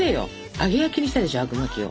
揚げ焼きにしたでしょあくまきを。